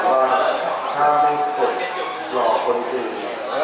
การพุทธศักดาลัยเป็นภูมิหลายการพุทธศักดาลัยเป็นภูมิหลาย